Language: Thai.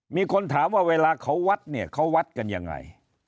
มีคนถามว่าเวลาเขาวัดเนี่ยเขาวัดกันยังไง